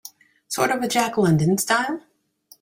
Sort of a Jack London style?